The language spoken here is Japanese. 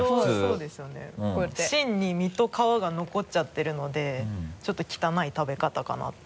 芯に実と皮が残っちゃってるのでちょっと汚い食べ方かなって。